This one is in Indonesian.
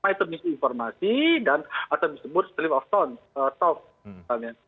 itu misi informasi dan atau disebut slip of tongue